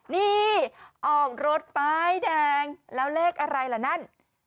นี่ออกรถป้ายแดงแล้วเลขอะไรล่ะนั่น